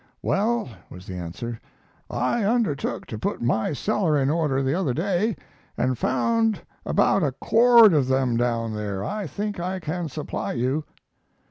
"Well," was the answer, "I undertook to put my cellar in order the other day, and found about a cord of them down there. I think I can supply you."